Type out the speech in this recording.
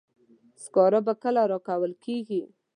سکاره به کله راکول کیږي.